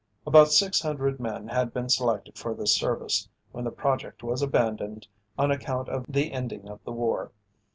About 600 men had been selected for this service when the project was abandoned on account of the ending of the war.